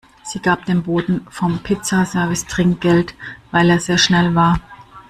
Sie gab dem Boten vom Pizza-Service Trinkgeld, weil er sehr schnell war.